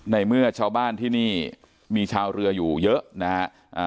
ในเมื่อชาวบ้านที่นี่มีชาวเรืออยู่เยอะนะฮะ